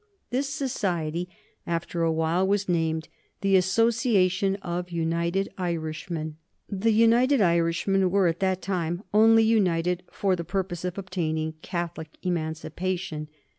This society, after awhile, was named the Association of United Irishmen. The United Irishmen were at that time only united for the purpose of obtaining Catholic Emancipation.